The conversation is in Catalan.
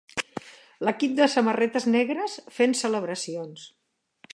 L'equip de samarretes negres fent celebracions